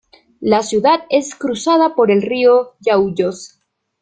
La ciudad es cruzada por el río Yauyos.